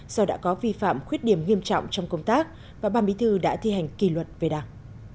do đã có vi phạm khuyết điểm nghiêm trọng trong công tác và ban bí thư đã thi hành kỳ luật về đảng